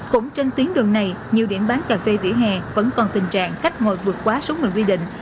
cũng trên tuyến đường này nhiều điểm bán cà phê vỉa hè vẫn còn tình trạng khách ngồi vượt quá số người quy định